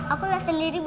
aku lihat sendiri bu